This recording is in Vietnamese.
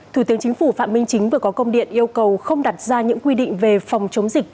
thủ tướng chính phủ phạm minh chính vừa có công điện yêu cầu không đặt ra những quy định về phòng chống dịch